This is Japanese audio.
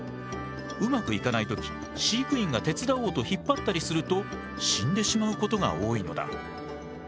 うまくいかない時飼育員が手伝おうと引っ張ったりすると死んでしまうことが多いのだ。